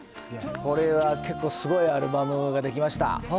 これは結構すごいアルバムが出来ました。